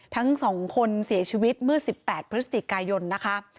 ทั้ง๒คนเสียชีวิตเมื่อ๑๘พฤศจิกายนนะคะ